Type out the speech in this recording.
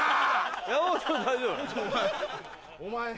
山本大丈夫なの？